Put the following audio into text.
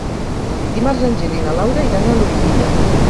Dimarts en Gil i na Laura iran a Loriguilla.